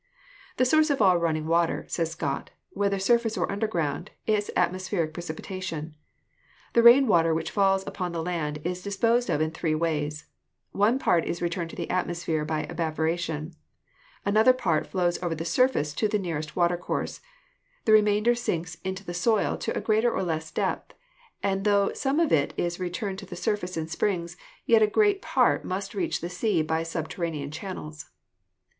"The source of all running water," says Scott, "whether surface or underground, is atmospheric precipitation. The rain water which falls upon the land is disposed of in three ways : One part is returned to the atmosphere by evapora tion, another part flows over the surface to the nearest watercourse, the remainder sinks into the soil to a greater or less depth, and tho some of it is returned to the surface in springs, yet a great part must reach the sea by subter ranean channels."